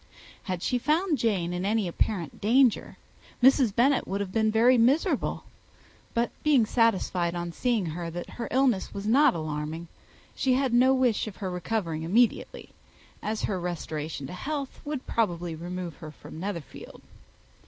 Had she found Jane in any apparent danger, Mrs. Bennet would have been very miserable; but being satisfied on seeing her that her illness was not alarming, she had no wish of her recovering immediately, as her restoration to health would probably remove her from Netherfield.